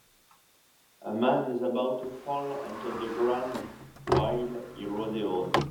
A man is about to fall onto the ground while he rodeos.